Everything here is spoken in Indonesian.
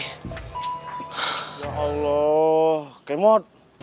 ya allah kemot